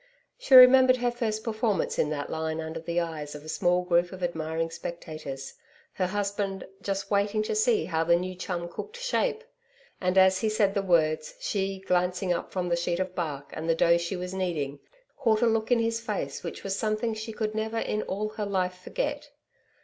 She remembered her first performance in that line under the eyes of a small group of admiring spectators her husband 'just waiting to see how the new chum cook shaped,' and, as he said the words, she, glancing up from the sheet of bark and the dough she was kneading, caught a look in his face which was something she could never in all her life forget.